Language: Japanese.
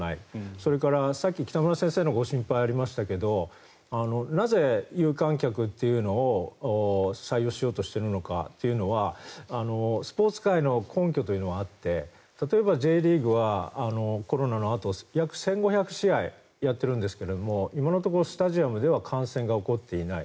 それからさっき北村先生のご心配がありましたがなぜ有観客というのを採用しようとしているのかというのはスポーツ界の根拠というのがあって例えばＪリーグはコロナのあと約１５００試合やっているんですけど今のところスタジアムでは感染が起こっていない。